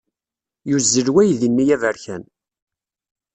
Yuzzel weydi-nni aberkan.